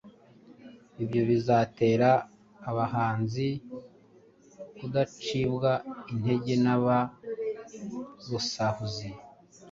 Ibyo bizatera abahanzi kudacibwa intege na ba rusahuzi